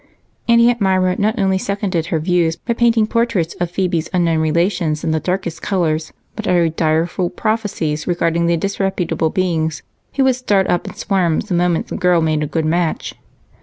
And Aunt Myra not only seconded her views by painting portraits of Phebe's unknown relations in the darkest colors but uttered direful prophecies regarding the disreputable beings who would start up in swarms the moment the girl made a good match.